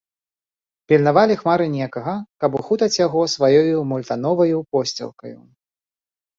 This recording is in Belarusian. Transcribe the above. Пільнавалі хмары некага, каб ухутаць яго сваёю мультановаю посцілкаю.